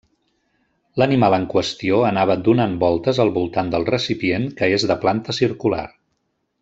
L'animal en qüestió anava donant voltes al voltant del recipient que és de planta circular.